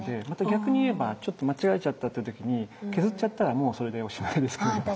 また逆に言えばちょっと間違えちゃったっていう時に削っちゃったらもうそれでおしまいですけど。